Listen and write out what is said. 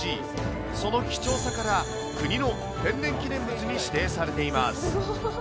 その貴重さから、国の天然記念物に指定されています。